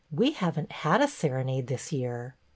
We have n't had a serenade this year."